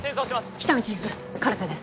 喜多見チーフカルテです